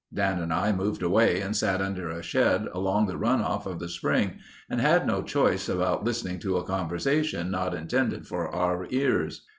Dan and I moved away and sat under a shed along the runoff of the spring and had no choice about listening to a conversation not intended for our ears.